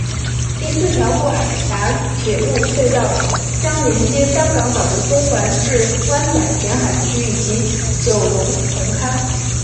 第四条过海铁路隧道将连接香港岛的中环至湾仔填海区及九龙红磡。